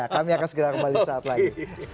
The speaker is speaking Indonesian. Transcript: kami akan segera kembali saat lagi